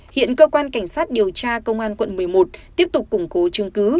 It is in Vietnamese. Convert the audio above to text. hiện cơ quan cảnh sát điều tra công an quận một mươi một tiếp tục củng cố chứng cứ